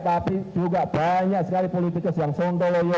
tapi juga banyak sekali politikus yang sontoloyo